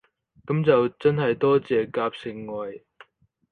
噉就真係多謝夾盛惠